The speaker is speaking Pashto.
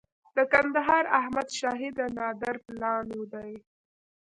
د کندهار احمد شاهي د نادر پلان دی